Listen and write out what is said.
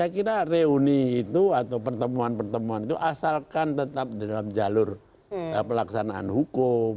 saya kira reuni itu atau pertemuan pertemuan itu asalkan tetap dalam jalur pelaksanaan hukum